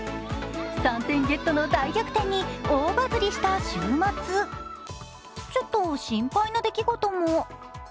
３点ゲットの大逆転に大バズりした週末ちょっと心配な出来事も。